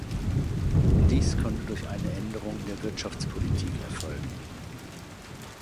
Dies konnte durch eine Änderung der Wirtschaftspolitik erfolgen.